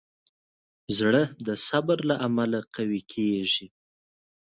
زړه د صبر له امله قوي کېږي.